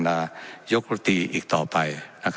นายกฤติอีกต่อไป